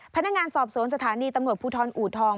พนักงานสอบสวนสถานีตำรวจภูทรอูทอง